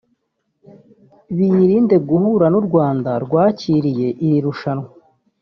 biyirinde guhura n’u Rwanda rwakiriye iri rushanwa